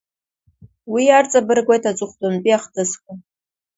Уи арҵабыргуеит аҵыхәтәантәи ахҭысқәа.